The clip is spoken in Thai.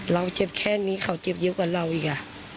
เจ็บแค่นี้เขาเจ็บเยอะกว่าเราอีก